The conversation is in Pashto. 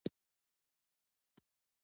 • د زړه درزا یو طبیعي ږغ دی.